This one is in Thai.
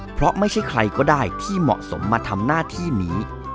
เพราะไม่ใช่ใครก็ได้ที่เหมาะสมมาทำหน้าที่นี้